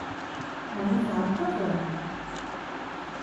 Ɛni tɛerqeḍ?